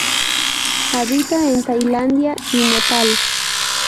Habita en Tailandia y Nepal.